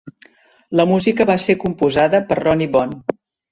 La música va ser composada per Ronnie Bond.